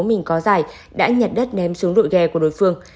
mình có giải đã nhặt đất ném xuống đội ghe của đối phương